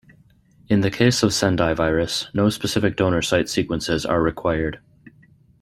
In the case of Sendai virus, no specific donor site sequences are required.